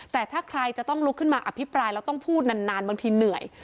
แต่ถ้าใครจะต้องลุกขึ้นมาอภิปรายแล้วต้องพูดนานบางทีเหนื่อย